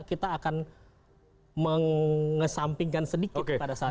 kita akan mengesampingkan sedikit pada saat itu